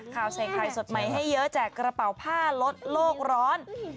ข่าวใส่ไข่สดใหม่ให้เยอะแจกกระเป๋าผ้าลดโลกร้อน